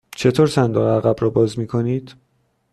چطور صندوق عقب را باز می کنید؟